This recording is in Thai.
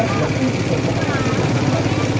สวัสดีครับทุกคนวันนี้เกิดขึ้นทุกวันนี้นะครับ